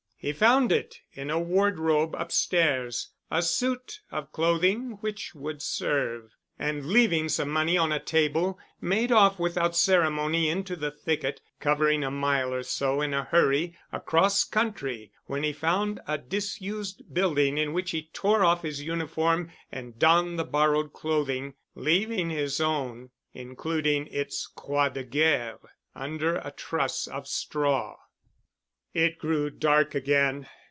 He found it in a wardrobe upstairs—a suit of clothing which would serve—and leaving some money on a table, made off without ceremony into the thicket, covering a mile or so in a hurry, across country, when he found a disused building in which he tore off his uniform and donned the borrowed clothing, leaving his own, including its Croix de Guerre, under a truss of straw. It grew dark again.